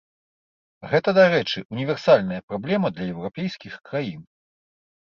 Гэта, дарэчы, універсальная праблема для еўрапейскіх краін.